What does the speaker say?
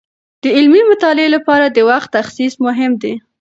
د علمي مطالعې لپاره د وخت تخصیص مهم دی.